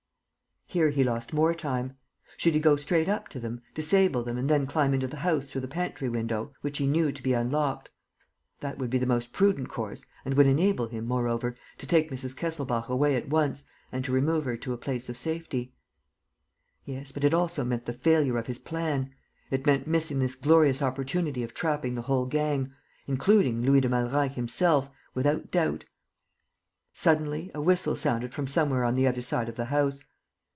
Here he lost more time. Should he go straight up to them, disable them and then climb into the house through the pantry window, which he knew to be unlocked? That would be the most prudent course and would enable him, moreover, to take Mrs. Kesselbach away at once and to remove her to a place of safety. Yes, but it also meant the failure of his plan; it meant missing this glorious opportunity of trapping the whole gang, including Louis de Malreich himself, without doubt. Suddenly a whistle sounded from somewhere on the other side of the house.